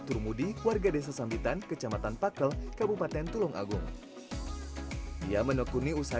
turmudi warga desa sambitan kecamatan pakel kabupaten tulung agung ia menekuni usaha